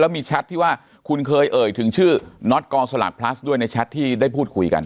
มีแชทที่ว่าคุณเคยเอ่ยถึงชื่อน็อตกองสลากพลัสด้วยในแชทที่ได้พูดคุยกัน